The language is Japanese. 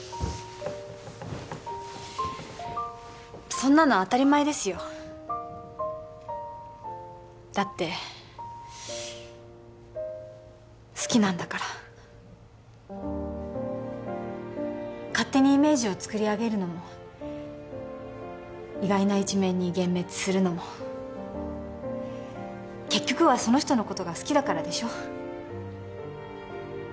そんなの当たり前ですよだって好きなんだから勝手にイメージをつくりあげるのも意外な一面に幻滅するのも結局はその人のことが好きだからでしょ？